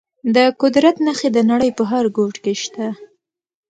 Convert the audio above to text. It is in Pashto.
د قدرت نښې د نړۍ په هر ګوټ کې شته.